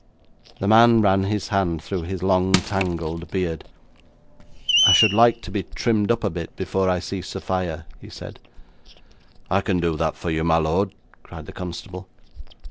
The man ran his hand through his long tangled beard. 'I should like to be trimmed up a bit before I see Sophia,' he said. 'I can do that for you, my lord,' cried the constable.